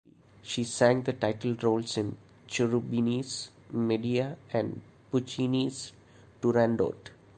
Finally, she sang the title roles in Cherubini's "Medea" and Puccini's "Turandot".